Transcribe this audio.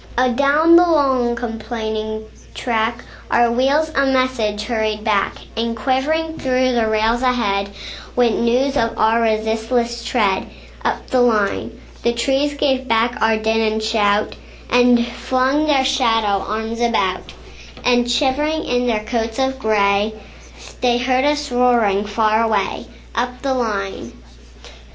Adown the long, complaining track, Our wheels a message hurried back; And quivering through the rails ahead, Went news of our resistless tread, Up the line. The trees gave back our din and shout, And flung their shadow arms about; And shivering in their coats of gray, They heard us roaring far away, Up the line.